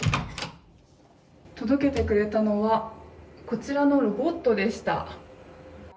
届けてくれたのはこちらのロボットでした。